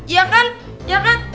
ya kan ya kan